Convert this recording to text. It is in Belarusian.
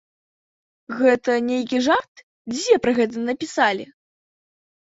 Гэта нейкі жарт, дзе пра гэта напісалі?